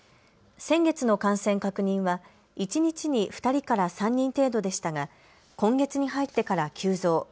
先月の感染確認は一日に２人から３人程度でしたが今月に入ってから急増。